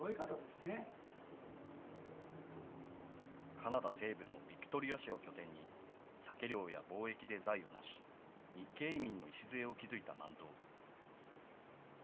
カナダ西部のビクトリア市を拠点に、サケ漁や貿易で財を成し、日系移民の礎を築いた萬蔵。